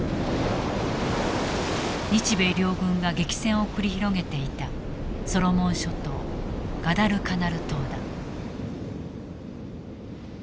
日米両軍が激戦を繰り広げていたソロモン諸島ガダルカナル島だ。